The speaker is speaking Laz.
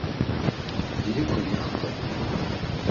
Dilikuni antepe.